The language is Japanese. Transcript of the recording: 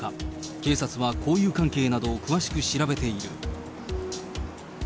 警察は交友関係などを詳しく調べている。